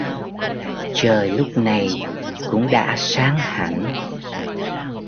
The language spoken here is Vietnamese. Trời lúc này cũng đã sáng hẳn